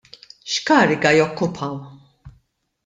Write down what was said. X'kariga jokkupaw?